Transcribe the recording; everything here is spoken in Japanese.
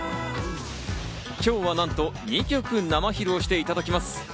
今日は何と、２曲の生披露していただきます。